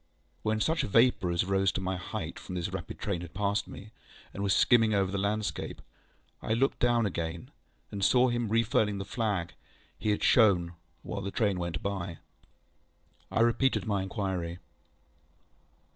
When such vapour as rose to my height from this rapid train had passed me, and was skimming away over the landscape, I looked down again, and saw him refurling the flag he had shown while the train went by. I repeated my inquiry.